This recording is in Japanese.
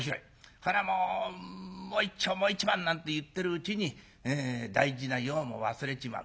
それはもうもう一丁もう一番なんて言ってるうちに大事な用も忘れちまう。